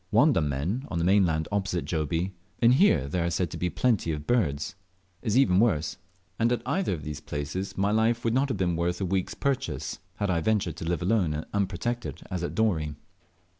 Wandammen, on the mainland opposite Jobie, inhere there are said to be plenty of birds, is even worse, and at either of these places my life would not have been worth a week's purchase had I ventured to live alone and unprotected as at Dorey.